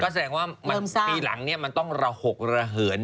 แสดงว่าปีหลังมันต้องระหกระเหิน